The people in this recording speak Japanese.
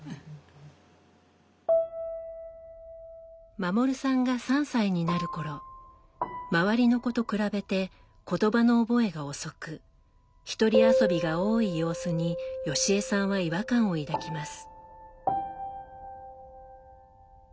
護さんが３歳になる頃周りの子と比べて言葉の覚えが遅くひとり遊びが多い様子にヨシヱさんは違和感を抱きます。